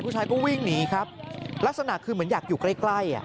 ผู้ชายก็วิ่งหนีครับลักษณะคือเหมือนอยากอยู่ใกล้ใกล้